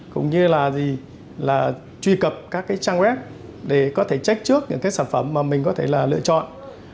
cũng như là truy cập các cái trang web để có thể check trước những cái sản phẩm mà mình có thể là lựa chọn